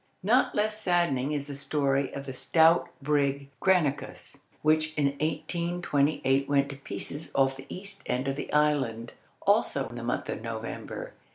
Not less saddening is the story of the stout brig Granicus, which in 1828 went to pieces off the east end of the island, also in the month of November.